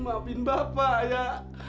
maafin bapak ya